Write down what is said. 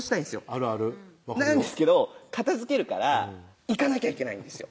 あるある分かるよなんですけど片づけるから行かなきゃいけないんですよ